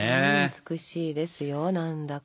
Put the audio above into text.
美しいですよ何だか。